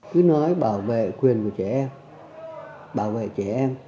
cứ nói bảo vệ quyền của trẻ em bảo vệ trẻ em